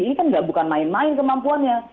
ini kan bukan main main kemampuannya